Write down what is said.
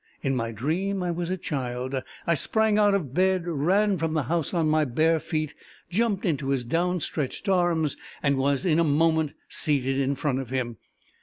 In my dream I was a child; I sprang out of bed, ran from the house on my bare feet, jumped into his down stretched arms, and was in a moment seated in front of him.